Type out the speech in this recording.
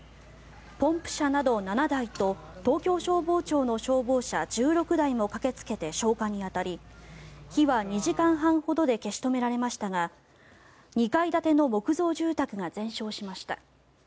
ポンプ車など７台と東京消防庁の消防車１６台も駆けつけて消火に当たり火は２時間半ほどで消し止められましたが２階建ての木造住宅が全焼しました。